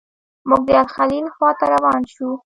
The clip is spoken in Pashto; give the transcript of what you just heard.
موږ د الخلیل خواته روان شوو.